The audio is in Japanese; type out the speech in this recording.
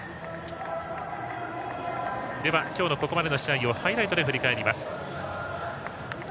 では今日のここまでの試合をハイライトで振り返ります。